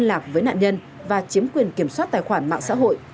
liên lạc với nạn nhân và chiếm quyền kiểm soát tài khoản mạng xã hội